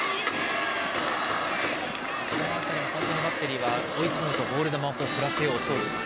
バッテリーは追い込むとボール球を振らせようとします。